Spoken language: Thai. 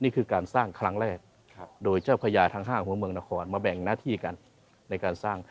นี่คือการสร้างครั้งแรกโดยเจ้าพญาทั้ง๕หัวเมืองนครมาแบ่งหน้าที่กันในการสร้าง